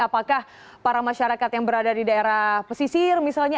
apakah para masyarakat yang berada di daerah pesisir misalnya